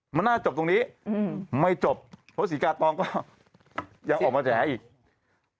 มันน่าจบตรงนี้ไม่จบเพราะศรีกาตองก็ยังออกมาแฉอีก